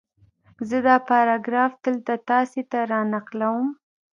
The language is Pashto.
زه دا پاراګراف دلته تاسې ته را نقلوم